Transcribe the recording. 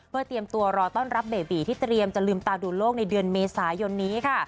เพื่อเตรียมตัวรอต้อนรับเบบีที่เตรียมจะลืมตาดูโลกในเดือนเมษายนนี้ค่ะ